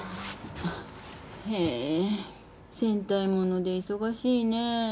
へえ戦隊物で忙しいねぇ。